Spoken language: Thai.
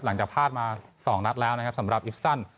หลังจากพลาดมา๒นัดแล้วนะครับสำหรับอิสซัน